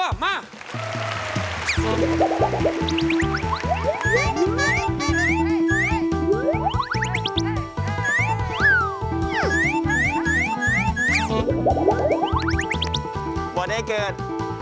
บอกได้เกิด